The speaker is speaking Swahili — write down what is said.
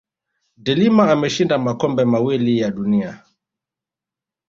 de Lima ameshinda makombe mawili ya dunia